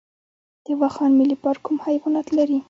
د واخان ملي پارک کوم حیوانات لري؟